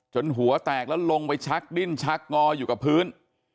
หัวแตกแล้วลงไปชักดิ้นชักงออยู่กับพื้น